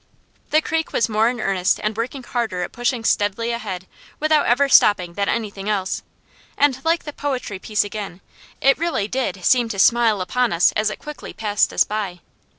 The creek was more in earnest and working harder at pushing steadily ahead without ever stopping than anything else; and like the poetry piece again, it really did "seem to smile upon us as it quickly passed us by."